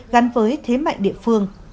gắn với thế mạnh địa phương